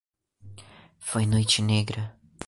Foi noite negra